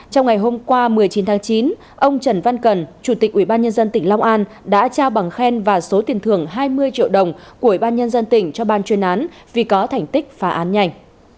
trong ngày hôm qua một mươi chín tháng chín ông trần văn cần chủ tịch ủy ban nhân dân tỉnh long an đã trao bằng khen và số tiền thưởng hai mươi triệu đồng của ủy ban nhân dân tỉnh cho ban chuyên án vì có thành tích phá án nhanh